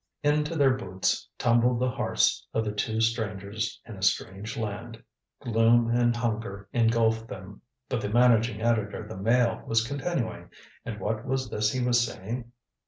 Into their boots tumbled the hearts of the two strangers in a strange land. Gloom and hunger engulfed them. But the managing editor of the Mail was continuing and what was this he was saying?